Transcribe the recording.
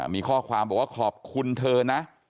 มีข้อความบอกว่าขอบคุณเธอนะ